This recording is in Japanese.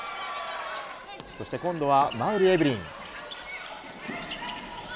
そして今度は馬瓜エブリン。